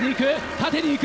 縦に行く。